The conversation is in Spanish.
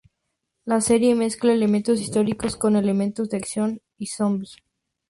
La serie mezcla elementos históricos con elementos de acción y zombi.